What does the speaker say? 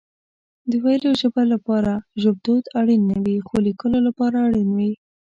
د ويلو ژبه لپاره ژبدود اړين نه وي خو ليکلو لپاره اړين وي